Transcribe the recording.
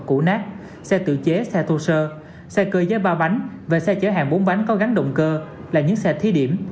cụ nát xe tự chế xe thô sơ xe cơ giới ba bánh và xe chở hàng bốn bánh có gắn động cơ là những xe thí điểm